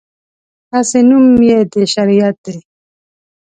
هسې نوم یې د شریعت دی.